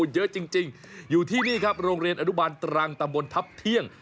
เยอะจริงอยู่ที่นี่ครับโรงเรียนอนุบาลตรังตำบลทัพเที่ยง